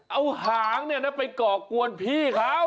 เอาหางไปก่อกวนพี่เขา